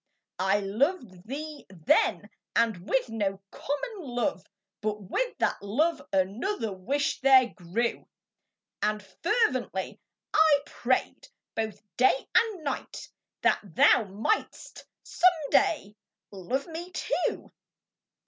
I loved thee then, and with no common love, But with that love another wish there grew. And fervently I pray'd both day and night That thou might'st some day love me too